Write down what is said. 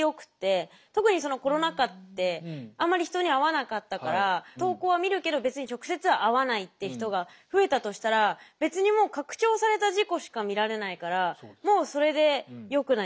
特にそのコロナ禍ってあんまり人に会わなかったから投稿は見るけど別に直接は会わないっていう人が増えたとしたら別にもうっていうふうになるんですよね。